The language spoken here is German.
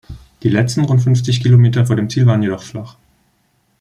Die letzten rund fünfzig Kilometer vor dem Ziel waren jedoch flach.